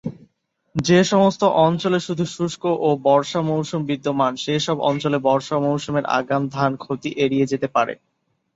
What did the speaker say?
যে সমস্ত অঞ্চলে শুধু শুষ্ক ও বর্ষা মৌসুম বিদ্যমান, সে সব অঞ্চলে বর্ষা মৌসুমের আগাম ধান ক্ষতি এড়িয়ে যেতে পারে।